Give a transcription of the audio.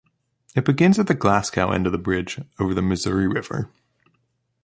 It begins at the Glasgow end of the bridge over the Missouri River.